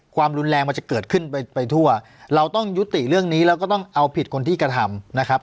ความรุนแรงมันจะเกิดขึ้นไปทั่วเราต้องยุติเรื่องนี้แล้วก็ต้องเอาผิดคนที่กระทำนะครับ